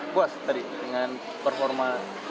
puas tadi dengan performa